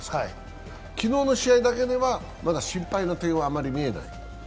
昨日の試合だけでは、まだ心配な点はあまり見えない？